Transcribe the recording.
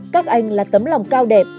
các anh là tấm lòng cao đẹp